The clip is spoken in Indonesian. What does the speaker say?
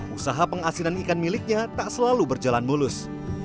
usaha pengasinan ikan miliknya tak selalu berjalan mulus